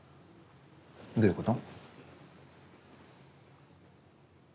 どういうこと？